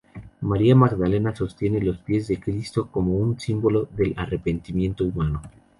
María Magdalena sostiene los pies de Cristo, como un símbolo del arrepentimiento humano.